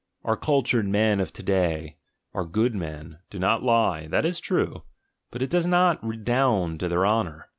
Our cultured men of to day, our "good" men, do not lie — that is true; but it doe? not redound to their honour!